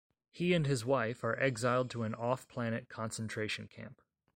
He and his wife are exiled to an off-planet concentration camp.